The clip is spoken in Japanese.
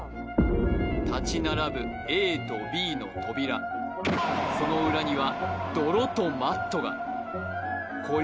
立ち並ぶＡとＢの扉その裏には泥とマットが今宵